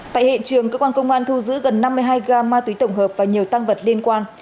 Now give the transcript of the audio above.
tại hiện trường cơ quan công an thu giữ gần năm mươi hai gam ma túy tổng hợp và nhiều tăng vật liên quan